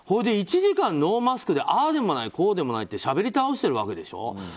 １時間、ノーマスクでああでもない、こうでもないってしゃべり倒してるわけでしょ。